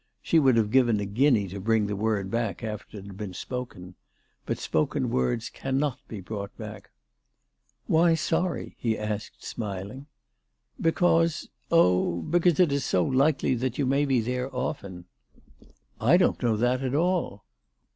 She would have given a guinea to bring the word back after it had been spoken. But spoken words cannot be brought back. "Why sorry ?" he asked, smiling, " Because Oh, because it is so likely that you may be there often." " I don't know that at all."